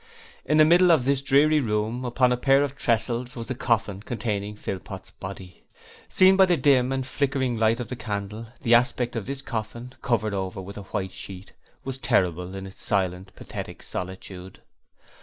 In the middle of this dreary room, upon a pair of tressels, was the coffin containing Philpot's body. Seen by the dim and flickering light of the candle, the aspect of this coffin, covered over with a white sheet, was terrible in its silent, pathetic solitude.